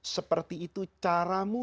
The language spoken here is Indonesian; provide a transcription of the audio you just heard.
seperti itu caramu